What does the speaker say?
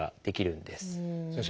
先生。